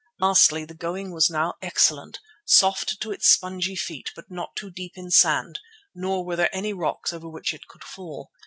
Lastly, the going was now excellent, soft to its spongy feet but not too deep in sand, nor were there any rocks over which it could fall.